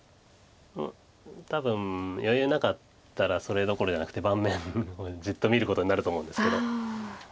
多分余裕なかったらそれどころじゃなくて盤面の方をじっと見ることになると思うんですけど。